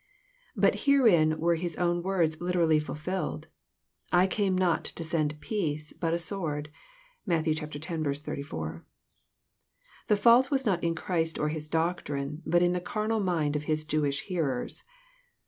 But herein were His own words literally fulfilled, — ('I came not to send peace, but a sword." (Matt. x. 34.) The fault was not in Christ or His doctrine, but in the carnal mind of His Jewish hearers.